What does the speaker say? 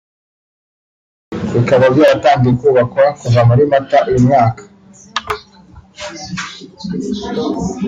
bikaba byaratangiye kubakwa kuva muri Mata uyu mwaka